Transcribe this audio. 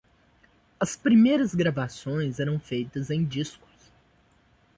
as primeiras gravações eram feitas em discos